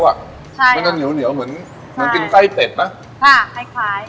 ใช่ค่ะมันจะเหนียวเหนียวเหมือนใช่มันกินไส้เป็ดนะค่ะคล้ายคล้าย